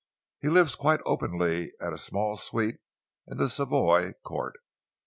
He lives quite openly at a small suite in the Savoy Court.